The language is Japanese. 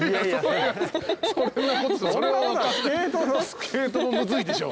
スケートもむずいでしょ。